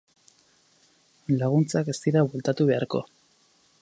Laguntzak ez dira bueltatu beharko.